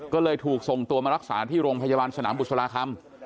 ก็เลยถูกส่งตัวมารักษาที่โรงพยาบาลสนามบุษราคำ